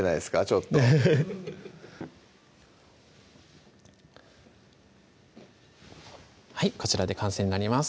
ちょっとはいこちらで完成になります